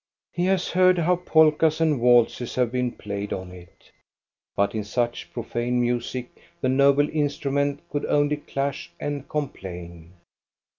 He has heard how polkas and waltzes have been played on it. But in such profane music the noble instrument could only clash and complain.